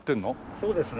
そうですね。